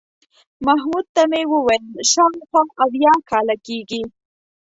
محمود ته مې وویل شاوخوا اویا کاله کېږي.